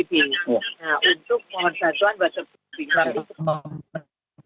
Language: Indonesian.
besar kami sempat komunikasi dengan